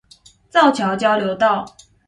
造橋交流道